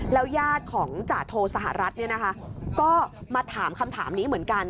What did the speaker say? ยาดของจาโทสหรัฐก็มาถามคำถามนี้เหมือนกัน